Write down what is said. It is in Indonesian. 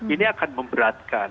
ini akan memberatkan